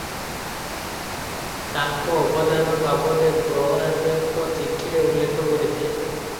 ତାଙ୍କ ଅବଦାନ ବାବଦେ ପ୍ରହରାଜ ଏକ ଚିଠିରେ ଉଲ୍ଲେଖ କରିଥିଲେ ।